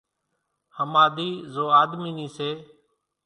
ۿماۮِي زو آۮمي نِي سي